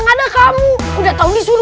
kacau kacau kacau